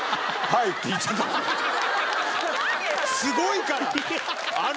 すごいから！